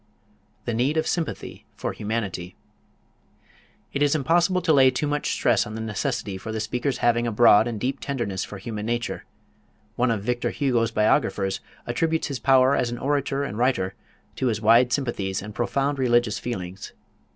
The Need of Sympathy for Humanity It is impossible to lay too much stress on the necessity for the speaker's having a broad and deep tenderness for human nature. One of Victor Hugo's biographers attributes his power as an orator and writer to his wide sympathies and profound religious feelings.